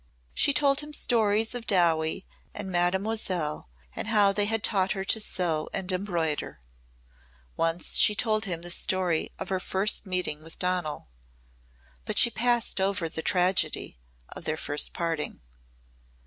She told him stories of Dowie and Mademoiselle and how they had taught her to sew and embroider. Once she told him the story of her first meeting with Donal but she passed over the tragedy of their first parting.